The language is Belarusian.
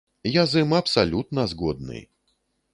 Я з ім абсалютна згодны.